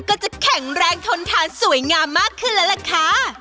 ก็จะแข็งแรงทนทานสวยงามมากขึ้นแล้วล่ะค่ะ